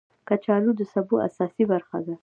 کچالو د سبو اساسي برخه ده